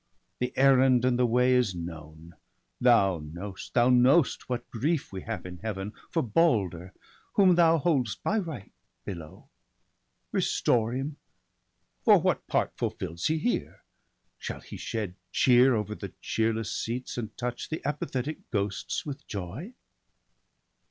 the errand and the way is known. Thou know'st, thou know'st, what grief we have in Heaven For Balder, whom thou hold'st by right below. Restore him ! for what part fulfils he here ? Shall he shed cheer over the cheerless seats, And touch the apathetic ghosts with joy